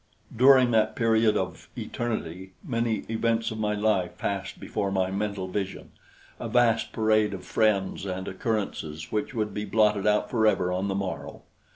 During that period of eternity many events of my life passed before my mental vision, a vast parade of friends and occurrences which would be blotted out forever on the morrow.